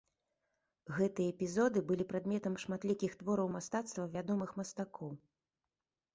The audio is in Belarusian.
Гэтыя эпізоды былі прадметам шматлікіх твораў мастацтва вядомых мастакоў.